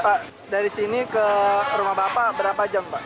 pak dari sini ke rumah bapak berapa jam pak